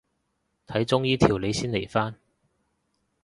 睇中醫調理先嚟返